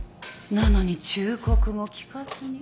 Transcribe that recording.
なのに忠告も聞かずに。